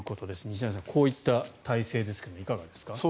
西成さん、こういった態勢ですがいかがですか？